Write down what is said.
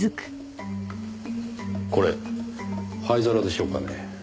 これ灰皿でしょうかね？